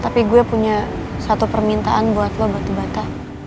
tapi gue punya satu permintaan buat lo batu bata